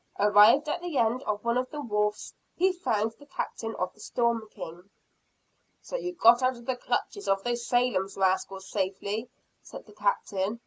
Arrived at the end of one of the wharves, he found the Captain of the Storm King. "So you got out of the clutches of those Salem rascals safely?" said the Captain.